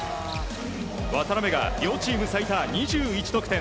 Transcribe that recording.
渡邊が両チーム最多２１得点。